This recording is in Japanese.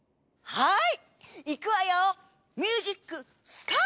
はい！